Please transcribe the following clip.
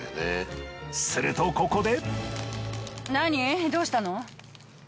するとここで。